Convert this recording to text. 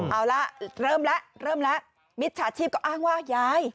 เอาละเริ่มแล้วเริ่มแล้วมิจฉาชีพก็อ้างว่ายาย